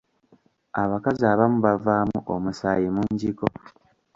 Abakazi abamu bavaamu omusaayi mungiko.